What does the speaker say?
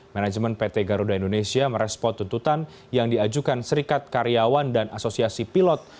manajemen pt garuda indonesia merespon tuntutan yang diajukan serikat karyawan dan asosiasi pilot